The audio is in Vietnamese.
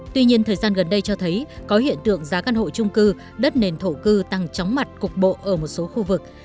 tuy nhiên thời gian gần đây cho thấy có hiện tượng giá căn hộ trung cư đất nền thổ cư tăng chóng mặt cục bộ ở một số khu vực